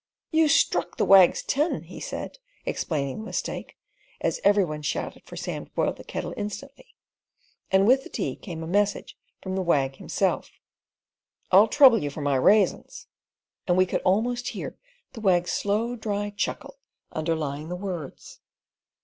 "You struck the Wag's tin," he said, explaining the mistake, as every one shouted for Sam to boil a kettle instantly, and with the tea came a message from the Wag himself: "I'll trouble you for my raisins"; and we could almost hear the Wag's slow, dry chuckle underlying the words.